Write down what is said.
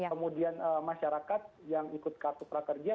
kemudian masyarakat yang ikut kartu prakerja